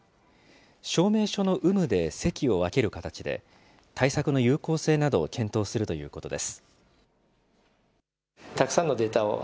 証明書の有無で席を分ける形で、対策の有効性などを検討するということです。